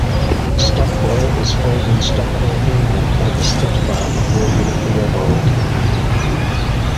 Stockwell was foaled in Stockwell, England, at the stud farm of William Theobald.